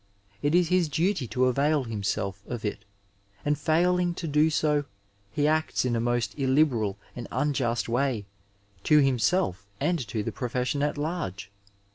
It is his duty to avail himself of it, and failing to do so he acts in a most illiberal and unjust way to himself and to the profession at large.